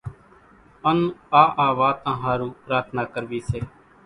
ان آ آ واتان ۿارُو پرارٿنا ڪروي سي